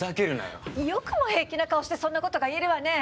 よくも平気な顔してそんなことが言えるわね